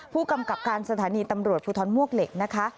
ผู้กำกับการสถานีตำรวจภูทรมวกเหล็กนะคะ